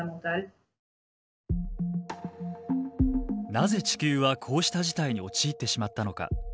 なぜ地球はこうした事態に陥ってしまったのか。